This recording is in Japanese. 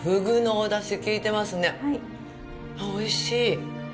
おいしい。